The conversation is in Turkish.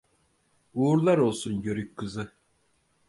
Uğurlar olsun, yörük kızı!